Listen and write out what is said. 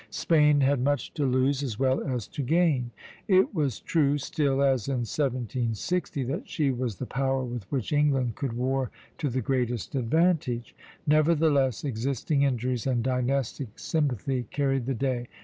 Spain had much to lose, as well as to gain. It was true still, as in 1760, that she was the power with which England could war to the greatest advantage. Nevertheless, existing injuries and dynastic sympathy carried the day.